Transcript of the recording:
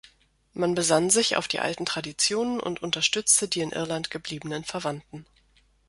Man besann sich auf die alten Traditionen und unterstützte die in Irland gebliebenen Verwandten.